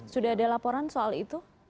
sudah ada laporan soal itu